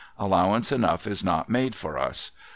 Allowance enough is not made for us.